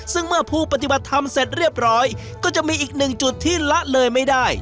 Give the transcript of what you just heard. ซึ่งเมื่อผู้ปฏิบัติธรรมเสร็จเรียบร้อยก็จะมีอีกหนึ่งจุดที่ละเลยไม่ได้